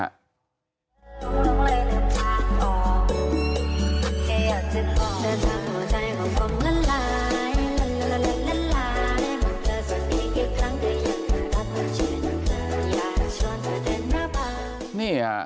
ถ้าคุณชินคืออยากชวนเธอเด็กหน้าบาง